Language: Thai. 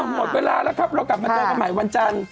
หมดเวลาแล้วครับเรากลับมาเจอกันใหม่วันจันทร์